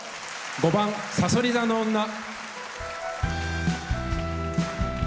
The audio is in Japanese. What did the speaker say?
５番「さそり座の女」。